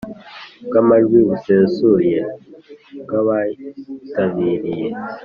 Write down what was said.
bw amajwi busesuye bw abayitabiriye